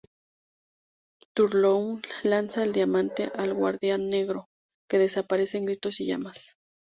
Turlough lanza el diamante al Guardián Negro, que desaparece en gritos y llamas.